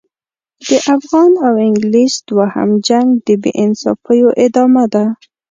د افغان او انګلیس دوهم جنګ د بې انصافیو ادامه ده.